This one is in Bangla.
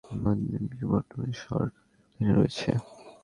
মন্দিরটি বর্তমানে সরকারের অধীনে রয়েছে।